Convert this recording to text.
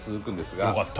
よかった。